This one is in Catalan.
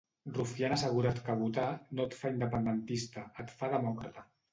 Rufián ha assegurat que votar "no et fa independentista, et fa demòcrata".